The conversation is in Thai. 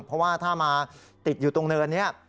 เพราะว่าถ้ามาติดอยู่ตรงเนินนี้